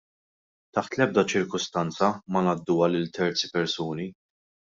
Taħt l-ebda cirkustanza ma ngħadduha lil terzi persuni.